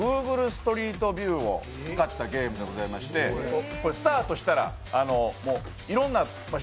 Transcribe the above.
ストリートビューを使ったゲームでございましてスタートしたらもう、いろんな場所